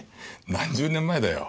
何十年前だよ。